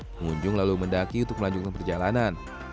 pengunjung lalu mendaki untuk melanjutkan perjalanan